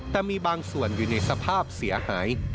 แต่มีบางส่วนอยู่ในสภาพเสียหาย